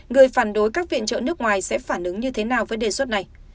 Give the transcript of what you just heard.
người phản đối các viện trợ nước ngoài sẽ phản ứng như thế nào với đề xuất này